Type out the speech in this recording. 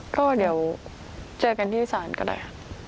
ก็เดี๋ยวเจอกันที่ศาลก็ได้ค่ะ